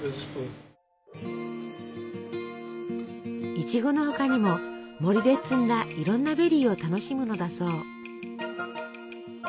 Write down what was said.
いちごの他にも森で摘んだいろんなベリーを楽しむのだそう。